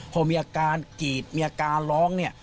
พอมีอาการกรีดมีอาการร้องเนี่ย